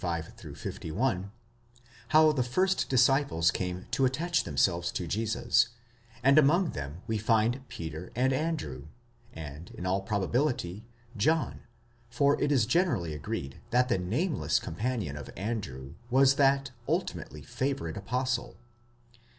35 51), how the first disciples came to attach themselves to Jesus, and among them we find Peter and Andrew, and, in all probability, John, for it is generally agreed that the nameless companion of Andrew was that ultimately favourite apostle.